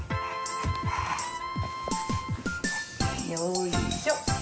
よいしょ。